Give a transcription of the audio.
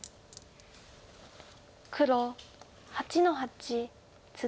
黒８の八ツギ。